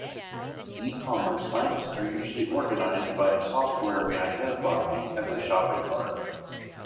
Ecommerce sites are usually organized by software we identify as a "shopping cart".